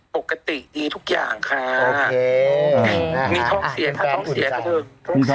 ปกติดีทุกอย่างค่ะ